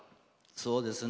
そうですね